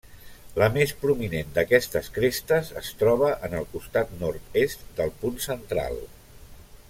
La més prominent d'aquestes crestes es troba en el costat nord-est del punt central.